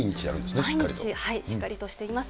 毎日、しっかりとしています。